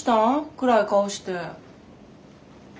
暗い顔して。